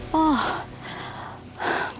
แพน